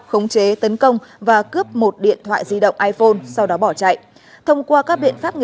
khống chế tấn công và cướp một điện thoại di động iphone sau đó bỏ chạy thông qua các biện pháp